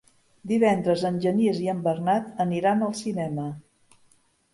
Divendres en Genís i en Bernat aniran al cinema.